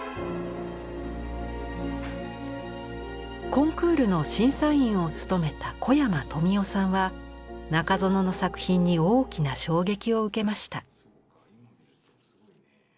コンクールの審査員を務めた小山登美夫さんは中園の作品に大きな衝撃を受けました。